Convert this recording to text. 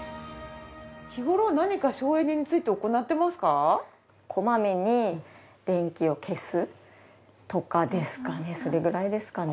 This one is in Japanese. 日頃何か省エネについて行っていますか？とかですかね。